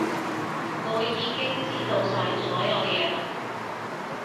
我已經知道晒所有嘢嘞